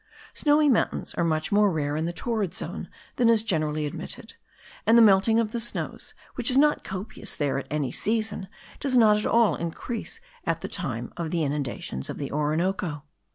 Snowy mountains are much more rare in the torrid zone than is generally admitted; and the melting of the snows, which is not copious there at any season, does not at all increase at the time of the inundations of the Orinoco.